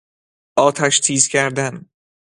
آتش تیز کردن